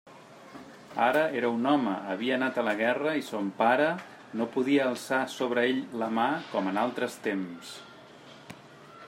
Ara era un home; havia anat a la guerra, i son pare no podia alçar sobre ell la mà, com en altres temps.